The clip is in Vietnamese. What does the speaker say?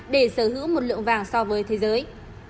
để sở hữu một lượng vàng so với thế giới